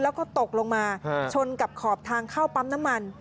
แล้วก็ตกลงมาชนกับขอบทางเข้าปั๊มน้ำมัน